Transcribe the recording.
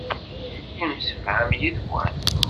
Yemsefham yid-wen.